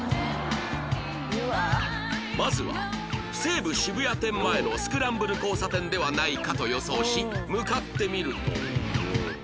まずは西武渋谷店前のスクランブル交差点ではないかと予想し向かってみると